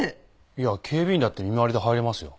いや警備員だって見回りで入れますよ。